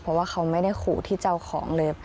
เพราะว่าเขาไม่ได้ขู่ที่เจ้าของเลย